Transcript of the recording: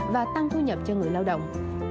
và tăng thu nhập cho người lao động